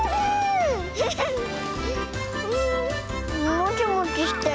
もちもちしてる。